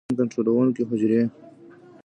د رنګ کنټرولونکو حجرې